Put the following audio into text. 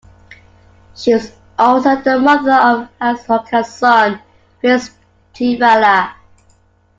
She was also the mother of Ashoka's son, Prince Tivala.